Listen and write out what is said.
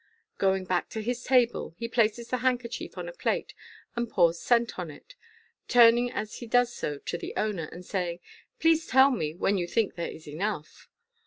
'' Going back to his table, he places the handkerchief on a plate, and pours scent on it, turning as he does so to the owner, and saying, " Please tell me when you think there is enough."